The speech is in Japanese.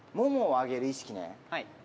はい。